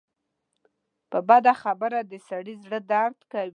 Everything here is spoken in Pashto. په بده خبره د سړي زړۀ دړد کوي